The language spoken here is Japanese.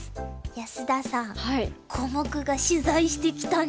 安田さんコモクが取材してきたんですよ。